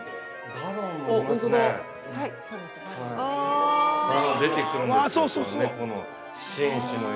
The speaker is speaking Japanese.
◆バロン出てくるんですよ